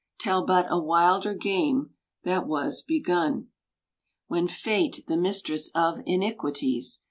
Tell but a wilder game that was begun. When Fate, the mistress of iniquities.